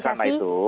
nah oleh karena itu